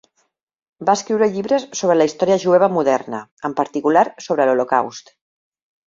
Va escriure llibres sobre la història jueva moderna, en particular sobre l'holocaust.